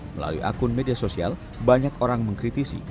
melalui akun media sosial banyak orang mengkritisi